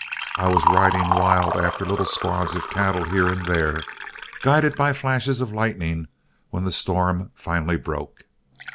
I was riding wild after little squads of cattle here and there, guided by flashes of lightning, when the storm finally broke.